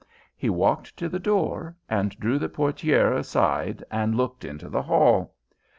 He walked to the door and drew the portiere aside and looked into the hall.